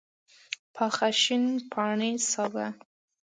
پاخه شین پاڼي سابه